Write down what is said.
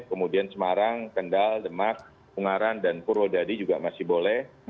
kemudian semarang kendal demak ungaran dan purwodadi juga masih boleh